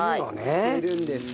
漬けるんですね。